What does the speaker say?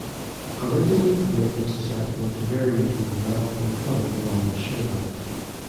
Originally the lake was susceptible to variations in level and flooding along its shoreline.